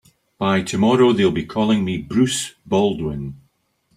By tomorrow they'll be calling me Bruce Baldwin.